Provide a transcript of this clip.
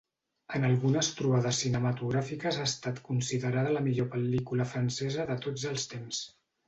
En algunes trobades cinematogràfiques ha estat considerada la millor pel·lícula francesa de tots els temps.